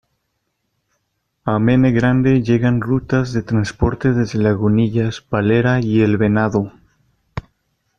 A Mene Grande llegan rutas de transporte desde Lagunillas, Valera y El Venado.